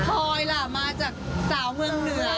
โพยนะมาจากเมืองเดือ